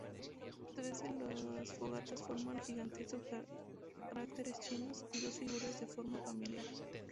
Tres de las fogatas forman gigantescos caracteres chinos, y dos figuras de forma familiar.